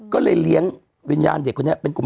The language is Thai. ก็เลยเลี้ยงวิญญาณเด็กคนนี้เป็นกลุ่ม